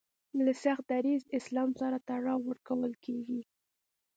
له سخت دریځه اسلام سره تړاو ورکول کیږي